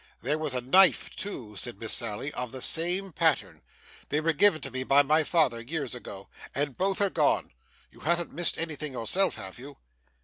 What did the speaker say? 'There was a knife too,' said Miss Sally, 'of the same pattern. They were given to me by my father, years ago, and are both gone. You haven't missed anything yourself, have you?